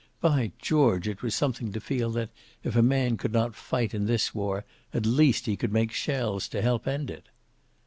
By George, it was something to feel that, if a man could not fight in this war, at least he could make shells to help end it.